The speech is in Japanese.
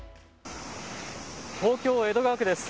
東京江戸川区です。